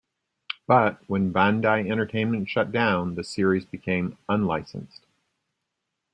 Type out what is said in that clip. But, when Bandai Entertainment shut down, the series became unlicensed.